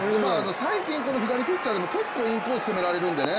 最近この左ピッチャーでも結構インコースを攻められるんでね。